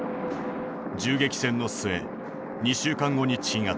銃撃戦の末２週間後に鎮圧。